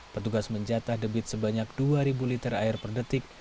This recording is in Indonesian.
petugas menjatah debit sebanyak dua liter air per detik